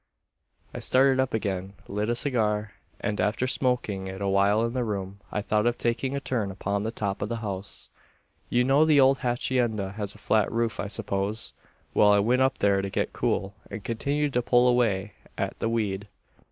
"I started up again; lit a cigar; and, after smoking it awhile in the room, I thought of taking a turn upon the top of the house. "You know the old hacienda has a flat roof, I suppose? Well, I went up there to get cool; and continued to pull away at the weed.